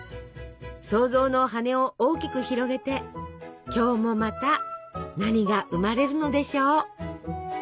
創造の羽を大きく広げて今日もまた何が生まれるのでしょう？